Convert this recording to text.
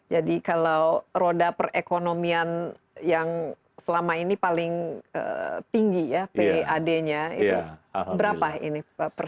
jadi kalau roda perekonomian yang selama ini paling tinggi ya pad nya itu berapa ini